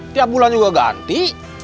tiap bulan juga ganti